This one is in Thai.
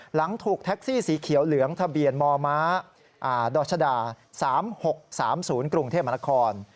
หลังถูกแท็กซี่สีเขียวเหลืองทะเบียนมดรชดา๓๖๓๐กรุงเทพมนาคม